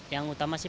yang utama sih